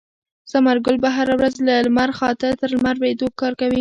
ثمرګل به هره ورځ له لمر خاته تر لمر لوېدو کار کوي.